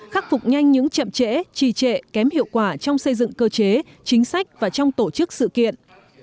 khắc phục nhanh những chậm trễ trì trệ kém hiệu quả trong xây dựng cơ chế chính sách và trong tổ chức sự kiện